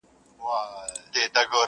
ستا د حُسن د الهام جام یې څښلی,